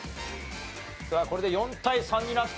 さあこれで４対３になった。